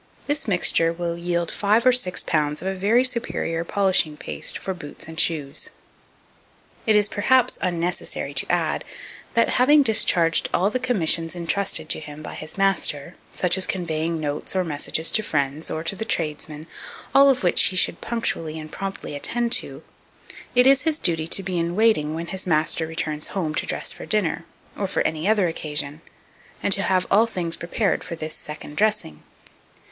This mixture will yield 5 or 6 lbs. of a very superior polishing paste for boots and shoes. 2242. It is, perhaps, unnecessary to add, that having discharged all the commissions intrusted to him by his master, such as conveying notes or messages to friends, or the tradesmen, all of which he should punctually and promptly attend to, it is his duty to be in waiting when his master returns home to dress for dinner, or for any other occasion, and to have all things prepared for this second dressing.